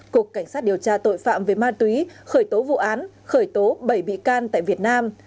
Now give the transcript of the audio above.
cục cảnh sát điều tra tội phạm về ma túy khởi tố vụ án khởi tố bảy bị can tại việt nam